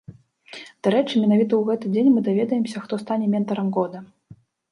Дарэчы, менавіта ў гэты дзень мы даведаемся, хто стане ментарам года.